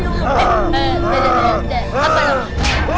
dah dah dah